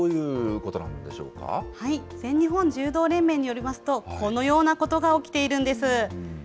これは全日本柔道連盟によりますと、このようなことが起きているんです。